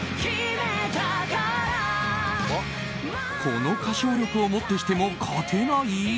この歌唱力を持ってしても勝てない？